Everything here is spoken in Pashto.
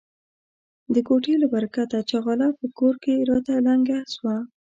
د کوټه له برکته ،چغاله په کور کې راته لنگه سوه.